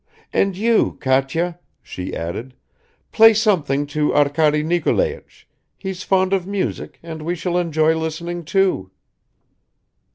And you, Katya," she added, "play something to Arkady Nikolaich; he's fond of music, and we shall enjoy listening too."